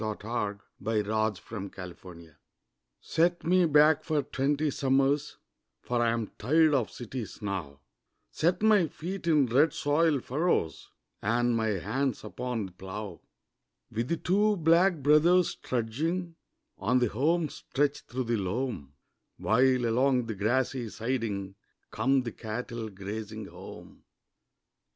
THE SHAKEDOWN ON THE FLOOR Set me back for twenty summers For I'm tired of cities now Set my feet in red soil furrows And my hands upon the plough, With the two 'Black Brothers' trudging On the home stretch through the loam While, along the grassy siding, Come the cattle grazing home.